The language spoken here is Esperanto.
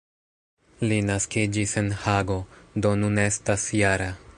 Li naskiĝis en Hago, do nun estas -jara.